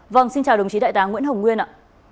vâng xin chào đồng chí đại tá nguyễn hồng nguyên ạ